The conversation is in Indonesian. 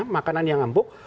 makanan yang empuk